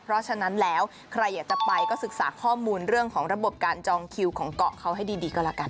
เพราะฉะนั้นแล้วใครอยากจะไปก็ศึกษาข้อมูลเรื่องของระบบการจองคิวของเกาะเขาให้ดีก็แล้วกัน